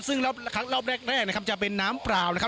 ซึ่งรอบแรกนะครับจะเป็นน้ำเปล่านะครับ